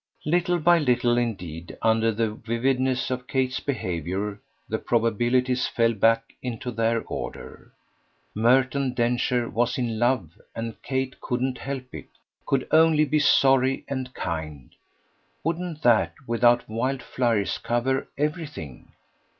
Little by little indeed, under the vividness of Kate's behaviour, the probabilities fell back into their order. Merton Densher was in love and Kate couldn't help it could only be sorry and kind: wouldn't that, without wild flurries, cover everything?